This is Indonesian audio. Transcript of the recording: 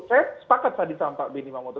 saya sepakat tadi sama pak benny mamoto